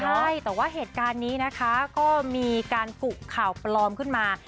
ใช่แต่ว่าเหตุการณ์นี้นะคะก็มีการกุข่าวปลอมขึ้นมา